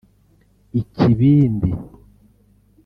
ikibindi